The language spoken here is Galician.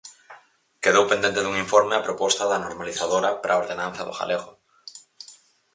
Quedou pendente dun informe a proposta da normalizadora para a ordenanza do galego.